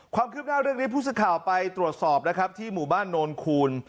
ความคืบหน้าเรื่องนี้ผู้สื่อข่าวไปตรวจสอบนะครับที่หมู่บ้านโนนคูณ